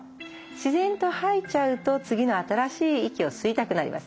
自然と吐いちゃうと次の新しい息を吸いたくなります。